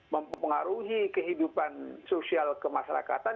mempengaruhi kehidupan sosial kemasyarakatan